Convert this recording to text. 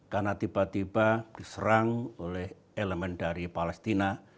karena tiba tiba diserang oleh elemen dari palestina